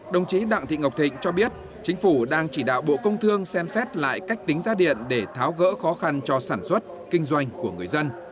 đồng chí đặng thị ngọc thịnh cho biết chính phủ đang chỉ đạo bộ công thương xem xét lại cách tính ra điện để tháo gỡ khó khăn cho sản xuất kinh doanh của người dân